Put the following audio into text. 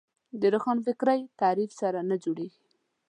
د روښانفکري تعریف سره نه جوړېږي